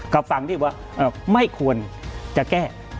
กับฝั่งที่ว่าไม่ควรจะแก้